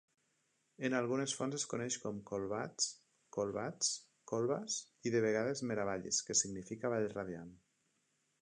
En algunes fonts es coneix com "Colbatz", "Kolbatz", "Colbas" i de vegades "Mera Vallis", que significa "Vall radiant".